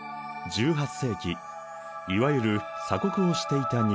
１８世紀いわゆる鎖国をしていた日本。